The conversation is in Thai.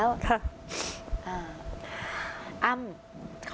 สวัสดีครับ